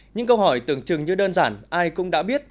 những câu hỏi tưởng chừng như đơn giản ai cũng đã biết